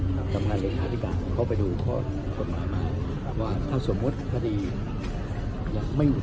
ในสมาธิการสาธารณ์ก็ไม่อุทธศาสตร์หรือเปล่าฝ่ายกฎหมายสาธารณ์เขาดูดังนี้